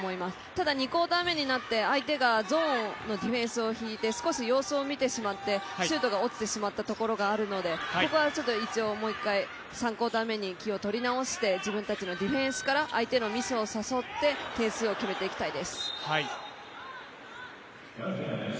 ただ２クオーター目になって相手がゾーンのディフェンスを敷いて少し様子を見てしまってシュートが落ちてしまったところがあるので、ここはちょっと一応もう一回、３クオーター目に持ち直して、自分たちのディフェンスから相手のミスを誘って点数を決めていきたいです。